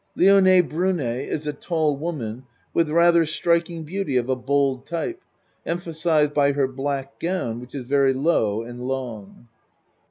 Lione Brune is a tall woman with rather strik ing beauty of a bold type, emphasized by her black gown which is very low and long.)